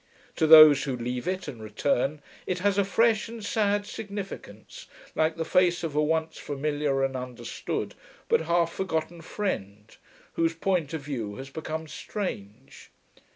To those who leave it and return it has a fresh and sad significance, like the face of a once familiar and understood but half forgotten friend, whose point of view has become strange.